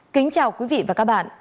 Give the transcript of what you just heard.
kính chào quý vị và các bạn